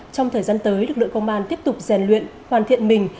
trong thời gian tới lực lượng công an tiếp tục rèn luyện hoàn thiện mình